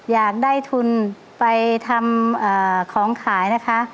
อยากได้ทุนไปทำของขายนะคะ